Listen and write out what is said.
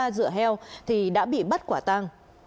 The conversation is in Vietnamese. dựa heo thì đã bị bắt quả tang